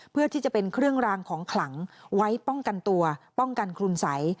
เพื่อที่จะเป็นเครื่องรางของขลังไว้ป้องกันตัวป้องกันคุณสัย